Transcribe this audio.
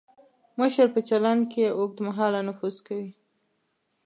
مشر په چلند کې اوږد مهاله نفوذ کوي.